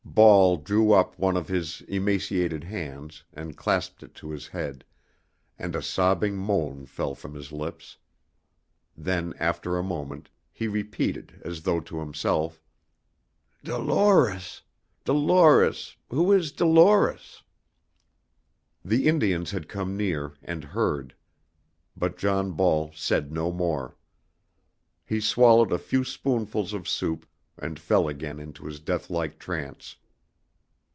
Ball drew up one of his emaciated hands and clasped it to his head, and a sobbing moan fell from his lips. Then, after a moment, he repeated, as though to himself, "Dolores Dolores Who is Dolores?" The Indians had come near, and heard. But John Ball said no more. He swallowed a few spoonfuls of soup and fell again into his death like trance.